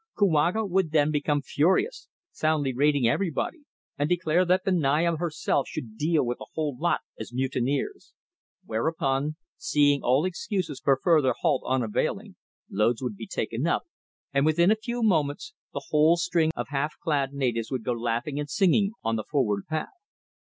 Kouaga would then become furious, soundly rating everybody, and declare that the Naya herself should deal with the whole lot as mutineers; whereupon, seeing all excuses for further halt unavailing, loads would be taken up, and within a few moments the whole string of half clad natives would go laughing and singing on the forward path.